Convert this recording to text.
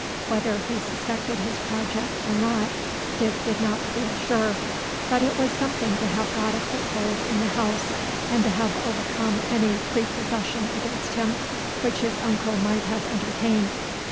Whether he suspected his project or not Dick did not feel sure; but it was something to have got a foothold in the house, and to have overcome any prepossession against him which his uncle might have entertained.